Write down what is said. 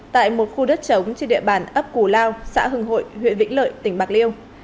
tại một khu đất trống trên địa bàn ấp củ lao xã hưng hội huyện vĩnh lợi tỉnh bạc liêu